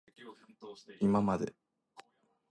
いままで